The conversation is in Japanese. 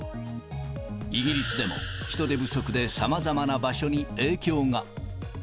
イギリスでも人手不足でさまざまな場所に影響が。